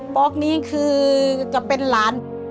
ป๊อกนี้คือจะเป็นหลาน